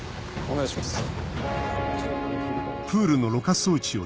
お願いします。